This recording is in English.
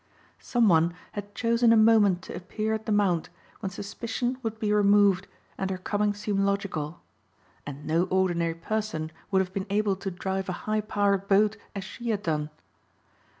Some one had chosen a moment to appear at the Mount when suspicion would be removed and her coming seem logical. And no ordinary person would have been able to drive a high powered boat as she had done.